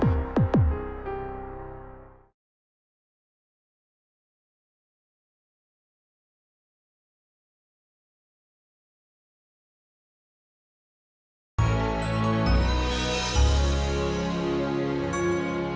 terima kasih pak alex